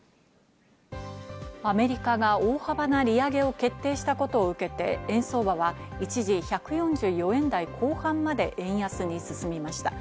アメリカが大幅な利上げを決定したことを受けて、円相場は一時、１４４円台後半まで円安に進みました。